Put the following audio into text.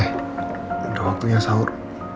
eh udah waktunya saur